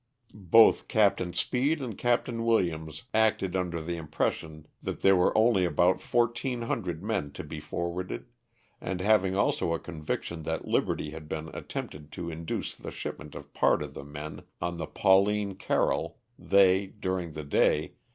Both Captain Speed and Captain Williams acted under the impression that there were only about 1,400 men to be for warded, and having also a conviction that bribery had been attempted to induce the shipment of part of the men on the 'Pauline Carroll' they, during the day.